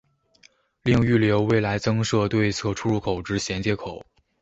另预留未来增设对侧出入口之衔接口。